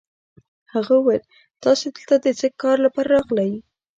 هغه وویل: تاسي دلته د څه کار لپاره راغلئ؟